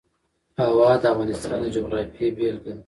هوا د افغانستان د جغرافیې بېلګه ده.